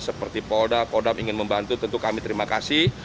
seperti polda kodam ingin membantu tentu kami terima kasih